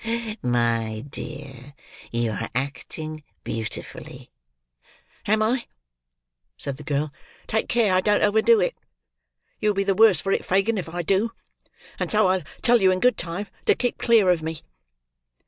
Ha! ha! my dear, you are acting beautifully." "Am I!" said the girl. "Take care I don't overdo it. You will be the worse for it, Fagin, if I do; and so I tell you in good time to keep clear of me."